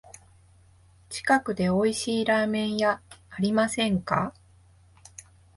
近くでおいしいラーメン屋ありませんか？